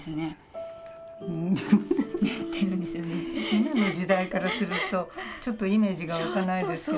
今の時代からするとちょっとイメージが湧かないですね。